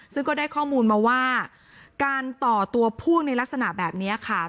ซึ่งก็ได้ข้อมูลมาว่าการต่อตัวพ่วงในลักษณะแบบนี้ค่ะ